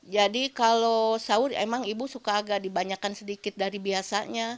jadi kalau sahur emang ibu suka agak dibanyakan sedikit dari biasanya